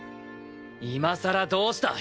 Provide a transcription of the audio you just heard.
今さらどうした？